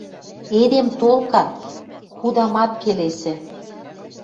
Эдем толкан, худам ат келесӹ